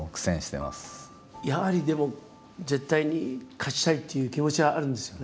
やはりでも絶対に勝ちたいっていう気持ちはあるんですよね？